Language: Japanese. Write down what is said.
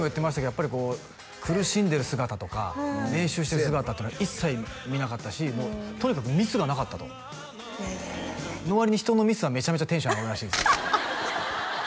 やっぱりこう苦しんでる姿とか練習してる姿っていうのは一切見なかったしもうとにかくミスがなかったといやいやいやの割に人のミスはめちゃめちゃテンション上がるらしいんですよ